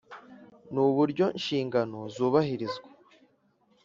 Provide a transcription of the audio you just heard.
nu buryo inshingano zubahirizwa.